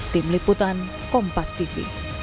tim liputan kompas tv